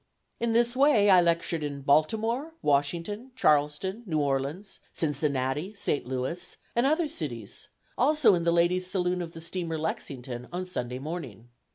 In this way I lectured in Baltimore, Washington, Charleston, New Orleans, Cincinnati, St. Louis, and other cities, also in the ladies' saloon of the steamer Lexington, on Sunday morning.